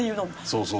そうそう。